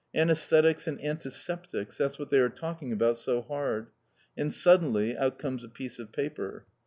Anæsthetics and antiseptics, that's what they are talking about so hard. And suddenly out comes a piece of paper.